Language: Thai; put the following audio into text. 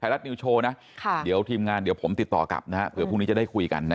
รัฐนิวโชว์นะเดี๋ยวทีมงานเดี๋ยวผมติดต่อกลับเผื่อพรุ่งนี้จะได้คุยกัน